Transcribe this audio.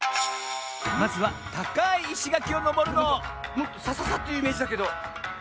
まずはたかいいしがきをのぼるのもっとサササッというイメージだけど。